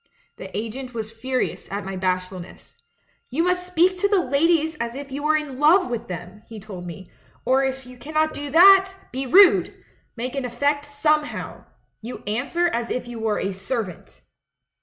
The agent was furious at my bashfulness. 'You must speak to the ladies as if you were in love with them,' he told me; 'or if you cannot do that, be rude I Make an eff'ect somehoic. You answer as if you were a servant.'